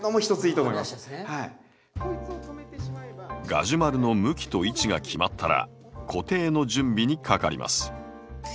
ガジュマルの向きと位置が決まったら固定の準備にかかります。